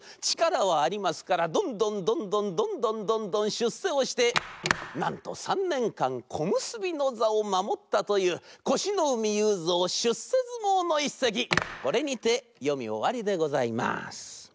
ちからはありますからどんどんどんどんどんどんどんどんしゅっせをしてなんと３ねんかんこむすびのざをまもったというこしのうみゆうぞうしゅっせずもうのいっせきこれにてよみおわりでございます。